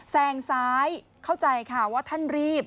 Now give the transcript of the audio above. แซงซ้ายเข้าใจค่ะว่าท่านรีบ